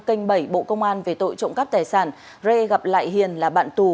kênh bảy bộ công an về tội trộm cắp tài sản rê gặp lại hiền là bạn tù